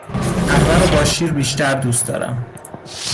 قهوه رو با شیر بیشتر دوست دارم